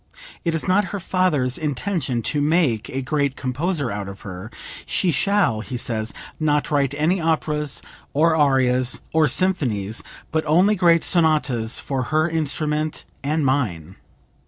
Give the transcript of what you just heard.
It is not her father's intention to make a great composer out of her. 'She shall,' he says, 'not write any operas, or arias, or symphonies, but only great sonatas for her instrument and mine!'